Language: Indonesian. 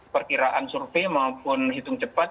perkiraan survei maupun hitung cepat